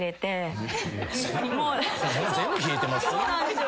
全部冷えてます？